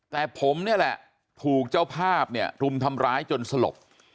แต่ผมนี่แหละถูกเจ้าภาพเนี่ยรุมทำร้ายจนสลบ